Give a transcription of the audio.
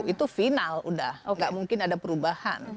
itu final sudah tidak mungkin ada perubahan